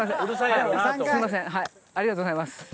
ありがとうございます。